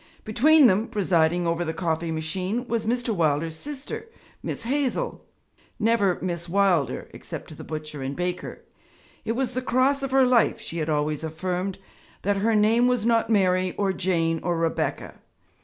Between them, presiding over the coffee machine, was Mr. Wilder's sister, 'Miss Hazel' never 'Miss Wilder' except to the butcher and baker. It was the cross of her life, she had always affirmed, that her name was not Mary or Jane or Rebecca.